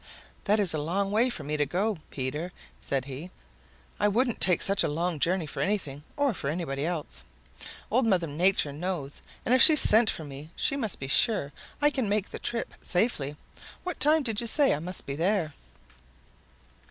"That is a long way for me to go, Peter," said he. "I wouldn't take such a long journey for anything or for anybody else. Old Mother Nature knows, and if she sent for me she must be sure I can make the trip safely. What time did you say I must be there?"